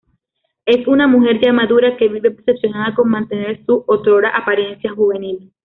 Es una mujer ya madura, que vive obsesionada con mantener su otrora apariencia juvenil.